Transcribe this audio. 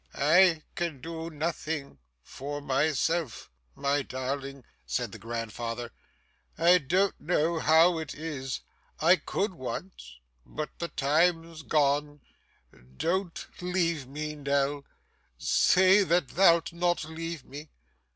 'I can do nothing for myself, my darling,' said the grandfather; 'I don't know how it is, I could once, but the time's gone. Don't leave me, Nell; say that thou'lt not leave me.